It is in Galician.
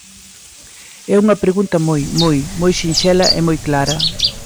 É unha pregunta moi, moi, moi sinxela e moi clara.